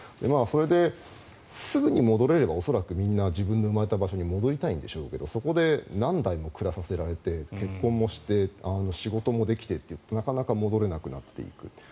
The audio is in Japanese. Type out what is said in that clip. それですぐに戻れれば恐らくみんな自分の生まれた場所に戻りたいんでしょうけどそこで何代も暮らさせられて結婚もして仕事もできてというとなかなか戻れなくなっていく。